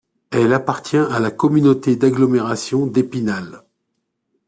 Elle appartient à la communauté d'agglomération d'Épinal.